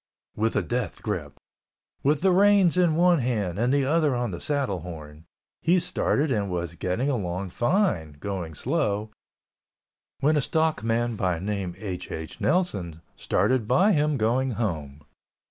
With a death grip, with the reins in one hand and the other on the saddle horn, he started and was getting along fine—going slow—when a stock man by name H. H. Nelson started by him going home.